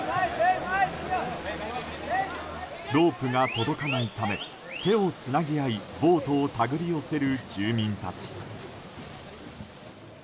ロープが届かないため手をつなぎ合いボートを手繰り寄せる住民たち。